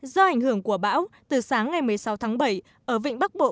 do ảnh hưởng của bão từ sáng ngày một mươi sáu tháng bảy ở vịnh bắc bộ